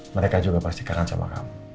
mereka juga pasti kanan sama kamu